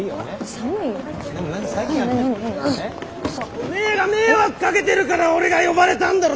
お前が迷惑かけてるから俺が呼ばれたんだろ。